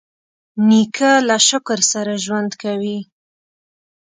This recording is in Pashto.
نیکه له شکر سره ژوند کوي.